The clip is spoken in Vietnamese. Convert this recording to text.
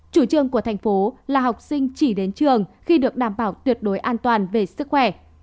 chủ trương của thành phố là học sinh chỉ đến trường khi được đảm bảo tuyệt đối an toàn về sức khỏe